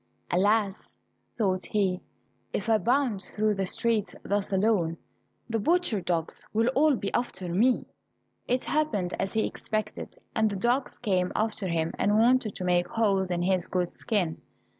"Alas!" thought he, "if I bound through the streets thus alone, the butchers' dogs will all be after me." It happened as he expected, and the dogs came after him and wanted to make holes in his good skin.